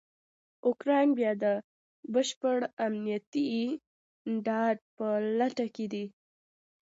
اوکرایین بیا دبشپړامنیتي ډاډ په لټه کې دی.